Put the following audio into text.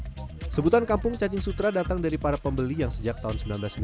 sebutan kampung cacing sutra datang dari para pembeli yang sejak tahun seribu sembilan ratus sembilan puluh